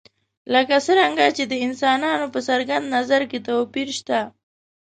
لکه څرنګه چې د انسانانو په څرګند نظر کې توپیر شته.